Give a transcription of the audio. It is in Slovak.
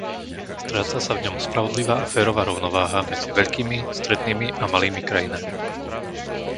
Stráca sa v ňom spravodlivá a férová rovnováha medzi veľkými, strednými a malými krajinami.